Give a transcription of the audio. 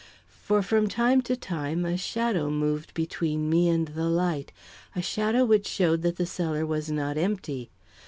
For from time to time a shadow moved between me and the light a shadow which showed that the cellar was not empty.